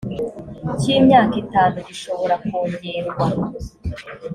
cy imyaka itanu gishobora kongerwa